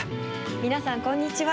みなさんこんにちは。